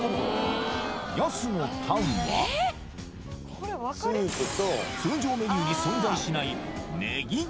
安のタンは通常メニューに存在しない